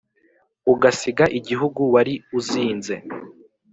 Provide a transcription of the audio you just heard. ugasiga igihugu wari uzinze!